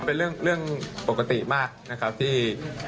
เป็นเรื่องปกติมากนะครับที่